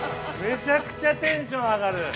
めちゃくちゃテンション上がる。